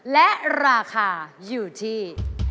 และราคาอยู่ที่